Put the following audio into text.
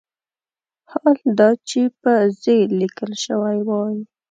حال دا چې په "ز" لیکل شوی وای.